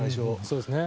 そうですね。